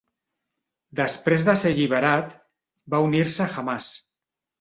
Després de ser alliberat, va unir-se a Hamàs.